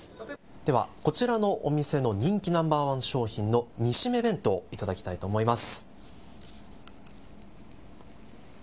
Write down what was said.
ではこちらのお店の人気ナンバー１商品の煮しめ弁当を頂きたいと思います。